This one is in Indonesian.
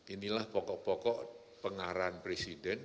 inilah pokok pokok pengarahan presiden